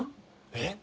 えっ？